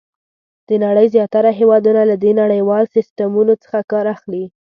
د نړۍ زیاتره هېوادونه له دې نړیوال سیسټمونو څخه کار اخلي.